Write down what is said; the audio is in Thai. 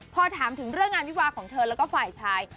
พอถามถึงเรื่องงานวิวาของเธอแล้วก็ฝ่ายชาย